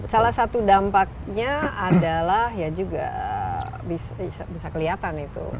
salah satu dampaknya adalah ya juga bisa kelihatan itu